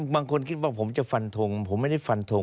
บางคนคิดว่าผมจะฟันทงผมไม่ได้ฟันทง